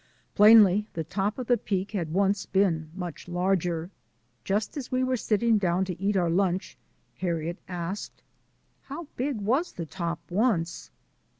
Plainly the top of the Peak had once been much larger. Just as we were sitting down to eat our lunch Har riet asked: "How big was the top once?"